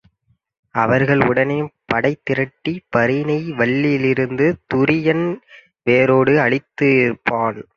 அவர்கள் உடனே படைதிரட்டிப் பாரினை வவ்வியிருந்தால் துரியன் வேரோடு அழிந்து இருப்பான்.